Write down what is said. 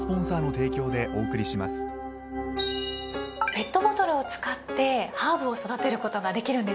ペットボトルを使ってハーブを育てることができるんですか？